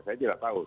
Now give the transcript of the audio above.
saya tidak tahu